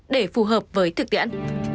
để phù hợp với thực tiễn